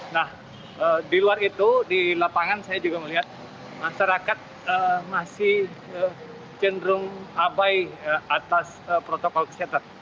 nah di luar itu di lapangan saya juga melihat masyarakat masih cenderung abai atas protokol kesehatan